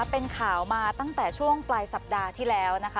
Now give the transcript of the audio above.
เป็นข่าวมาตั้งแต่ช่วงปลายสัปดาห์ที่แล้วนะคะ